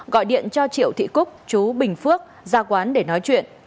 gọi điện cho triệu thị cúc chú bình phước ra quán để nói chuyện